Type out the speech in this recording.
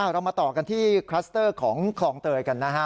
เรามาต่อกันที่คลัสเตอร์ของคลองเตยกันนะฮะ